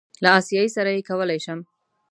له آسیایي سره یې کولی شم.